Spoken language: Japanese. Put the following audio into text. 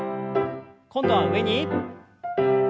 今度は上に。